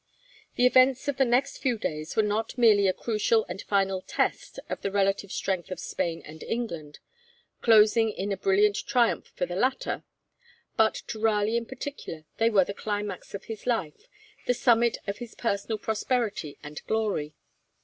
The events of the next few days were not merely a crucial and final test of the relative strength of Spain and England, closing in a brilliant triumph for the latter, but to Raleigh in particular they were the climax of his life, the summit of his personal prosperity and glory.